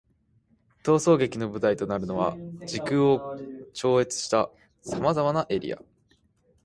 逃走劇の舞台となるのは、時空を超越した様々なエリア。